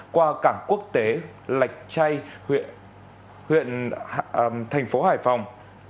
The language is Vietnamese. qua cảng quốc tế lạch chay huyện tp hải phòng